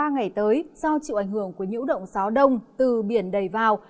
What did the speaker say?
ba ngày tới do chịu ảnh hưởng của những động xáo đông từ biển đầy vào